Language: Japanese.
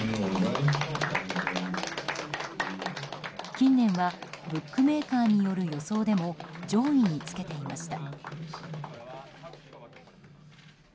近年はブックメーカーによる予想でも上位につけていました。